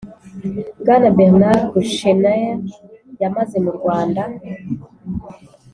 Bwana Bernard Kouchner yamaze mu Rwanda